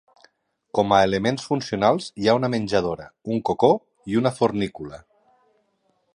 Com a elements funcionals hi ha una menjadora, un cocó i una fornícula.